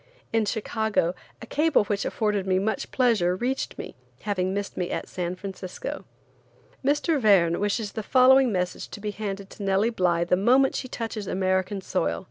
In Chicago, a cable which afforded me much pleasure reached me, having missed me at San Francisco. "Mr. Verne wishes the following message to be handed to Nellie Bly the moment she touches American soil: M.